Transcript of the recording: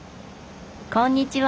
こんにちは！